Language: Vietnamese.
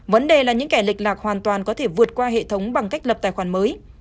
vấn đề là những kẻ lệch lạc hoàn toàn có thể vượt qua hệ thống bằng cách lập tài khoản mới